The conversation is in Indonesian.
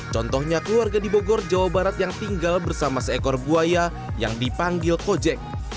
contohnya keluarga di bogor jawa barat yang tinggal bersama seekor buaya yang dipanggil kojek